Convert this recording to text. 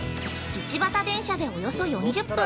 ◆一畑電車でおよそ４０分。